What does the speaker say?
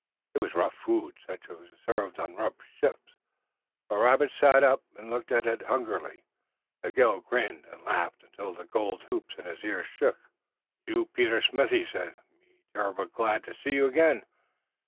It was rough food such as was served on rough ships, but Robert sat up and looked at it hungrily. Miguel grinned, and laughed until the gold hoops in his ears shook. "You, Peter Smith," he said. "Me terrible glad to see you again.